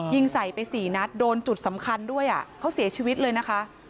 ยิงใส่ไปสี่นัดโดนจุดสำคัญด้วยอ่ะเขาเสียชีวิตเลยนะคะ